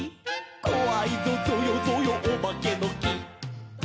「こわいぞぞよぞよおばけのき」